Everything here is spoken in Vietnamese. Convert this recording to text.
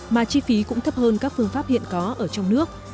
mà chi phí cũng thấp hơn các phương pháp hiện có ở trong nước